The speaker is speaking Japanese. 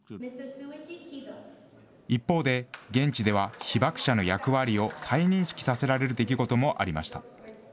一方で、現地では被爆者の役割を再認識させられる出来事もありました。